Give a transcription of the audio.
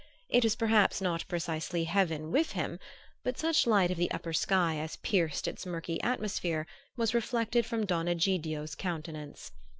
It was perhaps not precisely heaven with him; but such light of the upper sky as pierced its murky atmosphere was reflected from Don Egidio's countenance.